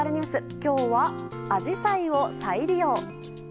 今日は、アジサイを再利用。